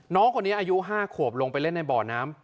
น้องคนนี้อายุ๕ขวบลงไปเล่นในบ่อน้ำ